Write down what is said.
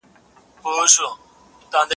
ته ولي وخت تېروې؟